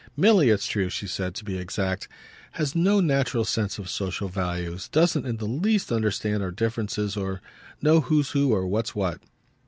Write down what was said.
Milly, it's true," she said, to be exact, "has no natural sense of social values, doesn't in the least understand our differences or know who's who or what's what."